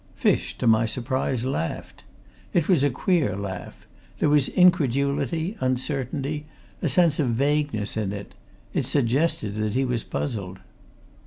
Fish, to my surprise, laughed. It was a queer laugh. There was incredulity, uncertainty, a sense of vagueness in it; it suggested that he was puzzled.